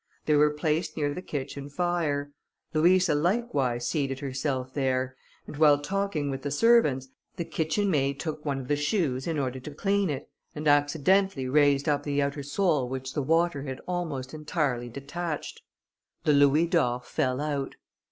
They were placed near the kitchen fire; Louisa likewise seated herself there, and while talking with the servants, the kitchen maid took one of the shoes in order to clean it, and accidentally raised up the outer sole which the water had almost entirely detached. The louis d'or fell out.